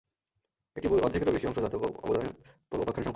বইটির অর্ধেকেরও বেশি অংশ জাতক ও অবদান উপাখ্যানের সংকলন।